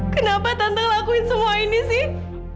kenapa tante lakuin semua ini sih